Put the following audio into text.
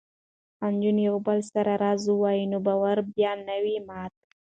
که نجونې یو بل سره راز ووايي نو باور به نه وي مات.